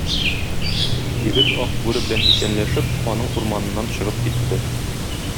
Егет, Ак бүре белән исәнләшеп, аның урманыннан чыгып китте.